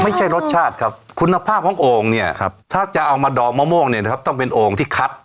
ไม่ใช่รสชาติครับคุณภาพของโอ่งเนี่ยถ้าจะเอามาดองมะม่วงเนี่ยนะครับต้องเป็นโอ่งที่คัด